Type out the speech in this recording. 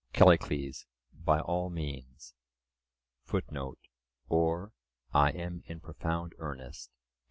CALLICLES: By all means. (Or, "I am in profound earnest.")